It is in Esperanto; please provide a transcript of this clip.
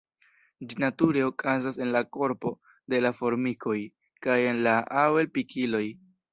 Ĝi nature okazas en la korpo de la formikoj kaj en la abel-pikiloj.